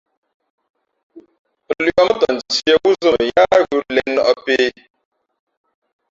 Lʉαʼ mά tαʼ ntīē wúzᾱ mα yáá ghʉ̌ lěn nᾱʼpē.